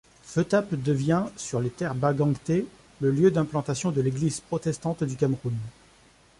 Feutap devient, sur les terres Bangangté, le lieu d'implantation de l'église protestante du Cameroun.